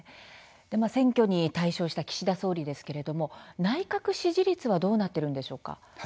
選挙に大勝した岸田総理ですけれども内閣支持率はどうなっているんでしょうか。